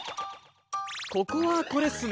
ここはこれっすね。